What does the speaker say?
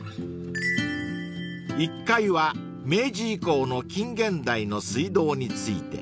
［１階は明治以降の近現代の水道について］